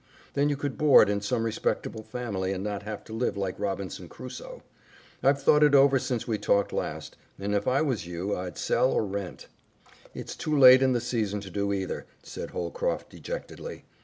Then you could board in some respectable family, and not have to live like Robinson Crusoe. I've thought it over since we talked last, and if I was you I'd sell or rent." "It's too late in the season to do either," said Holcroft dejectedly.